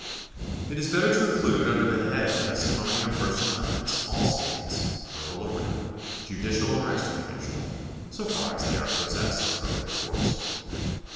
It is better to include under the head of testimony or personal evidence all state ments, verbal or written, judicial or extrajudicial, so far as they are possessed of probative force.